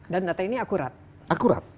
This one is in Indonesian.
dan data ini akurat